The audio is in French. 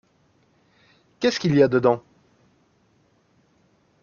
Qu’est-ce qu’il y a dedans ?